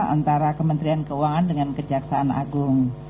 antara kementerian keuangan dengan kejaksaan agung